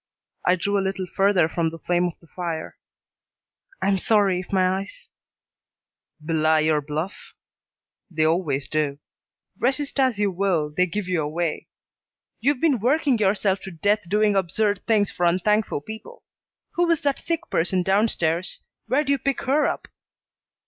I drew a little further from the flame of the fire. "I'm sorry if my eyes " "Belie your bluff? They always do. Resist as you will, they give you away. You've been working yourself to death doing absurd things for unthankful people. Who is that sick person downstairs? Where'd you pick her up?"